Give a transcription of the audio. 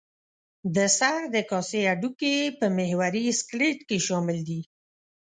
د سر د کاسې هډوکي په محوري سکلېټ کې شامل دي.